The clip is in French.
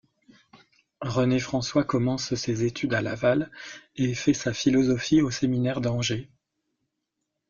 René-François commence ses études à Laval et fait sa philosophie au séminaire d'Angers.